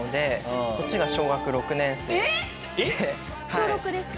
小６です。